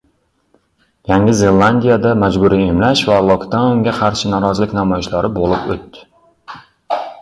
Yangi Zelandiyada majburiy emlash va lokdaunga qarshi norozilik namoyishlari bo‘lib o‘tdi